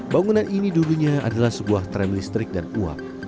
bangunan ini dulunya adalah sebuah tram listrik dan uap